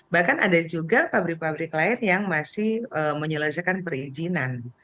bahkan ada juga pabrik pabrik lain yang masih menyelesaikan perizinan